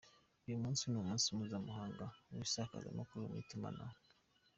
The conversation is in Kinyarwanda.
Uyu munsi ni umunsi mpuzamahanga w’isakazamakuru mu itumanaho.